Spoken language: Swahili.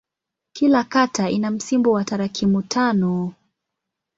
Kila kata ina msimbo wa tarakimu tano.